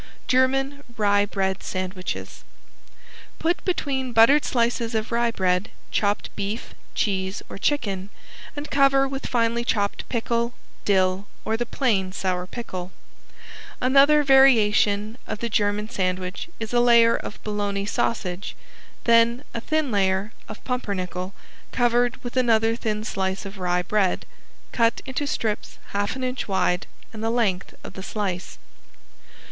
~GERMAN RYE BREAD SANDWICHES~ Put between buttered slices of rye bread chopped beef, cheese or chicken, and cover with finely chopped pickle, dill or the plain sour pickle. Another variation of the German sandwich is a layer of bologna sausage, then a thin layer of pumpernickel covered with another thin slice of rye bread. Cut into strips half an inch wide and the length of the slice.